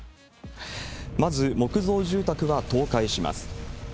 まず、木造住宅が倒壊します。